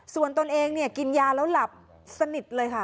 ส่วนตนเองเนี่ยกินยาแล้วหลับสนิทเลยค่ะ